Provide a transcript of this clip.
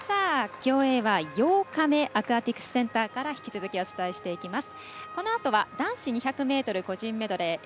競泳は８日目アクアティクスセンターから引き続きお伝えしていきます。